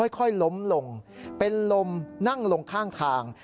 ค่อยล้มลงเป็นลมนั่งลงข้างทาง